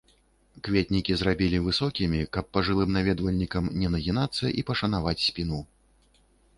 Кветнікі зрабілі высокімі, каб пажылым наведвальнікам не нагінацца і пашанаваць спіну.